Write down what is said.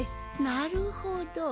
なるほど。